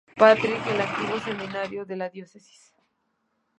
Patrick, el antiguo seminario de la Diócesis.